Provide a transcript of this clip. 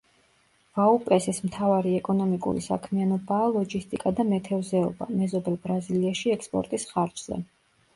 ვაუპესის მთავარი ეკონომიკური საქმიანობაა ლოჯისტიკა და მეთევზეობა, მეზობელ ბრაზილიაში ექსპორტის ხარჯზე.